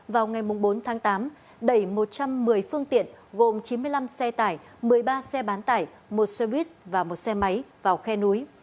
vào ngày bốn tháng tám đẩy một trăm một mươi phương tiện gồm chín mươi năm xe tải một mươi ba xe bán tải một xe buýt và một xe máy vào khe núi